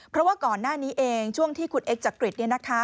เพราะว่าก่อนหน้านี้เองช่วงที่คุณเอ็กจักริต